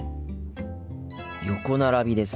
横並びです。